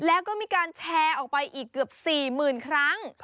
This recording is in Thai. แล้วก็มีการแชร์ออกไปอีกเกือบ๔๐๐๐ครั้ง